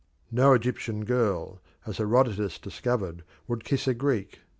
No Egyptian girl, as Herodotus discovered, would kiss a Greek.